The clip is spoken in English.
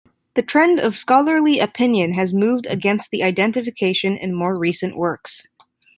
The trend of scholarly opinion has moved against the identification in more recent works.